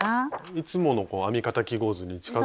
いつもの編み方記号図に近づいたというか。